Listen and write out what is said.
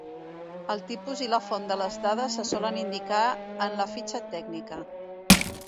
El tipus i la font de les dades se solen indicar en la fitxa tècnica.